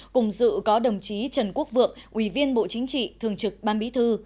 cùng dự có đồng chí trần quốc vượng ủy viên bộ chính trị thường trực ban bí thư